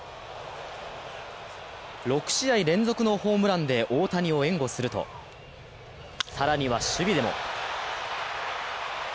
６試合連続のホームランで大谷を援護すると更には守備でも。